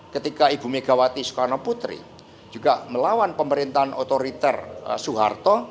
ketika ibu megawati soekarno putri juga melawan pemerintahan otoriter soeharto